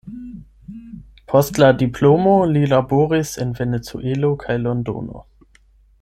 Post la diplomo li laboris en Venezuelo kaj Londono.